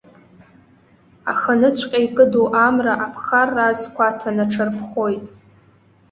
Аханыҵәҟьа икыду амра аԥхарра азқәа аҭан аҽарԥхоит.